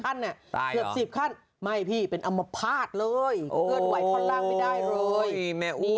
ตายเหรอเกือบสิบขั้นไม่พี่เป็นอัมพาตเลยโอ้ยแม่อุ้ย